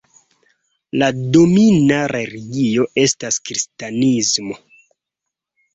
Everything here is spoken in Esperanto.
La domina religio estas kristanismo.